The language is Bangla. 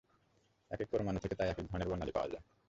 একেক পরমাণু থেকে তাই একেক ধরনের বর্ণালি পাওয়া যায়।